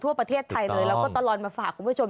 ทั่วประเทศไทยเลยแล้วก็ตลอดมาฝากคุณผู้ชม